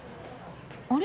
あれ？